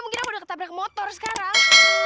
mungkin udah ketabrak motor sekarang